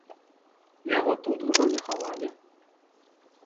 Яго тут ужо не хавалі.